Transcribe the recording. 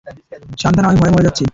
সান্থানাম, আমি ভয়ে মরে যাচ্ছি।